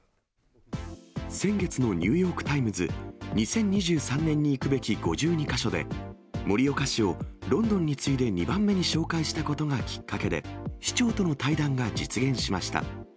先月のニューヨーク・タイムズ２０２３年に行くべき５２か所で、盛岡市をロンドンに次いで２番目に紹介したことがきっかけで、市長との対談が実現しました。